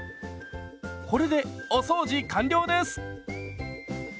これでお掃除完了です！